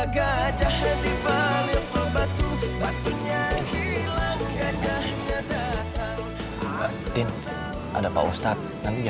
gonda enak tempat itu